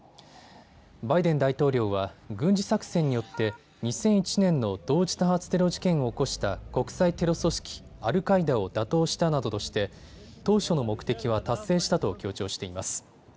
バイデン大統領は軍事作戦によって２００１年の同時多発テロ事件を起こした国際テロ組織、アルカイダを打倒したなどとして当初の目的は達成したと強調しています。